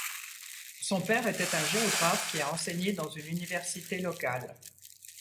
Son père était un géographe qui a enseigné dans une université locale.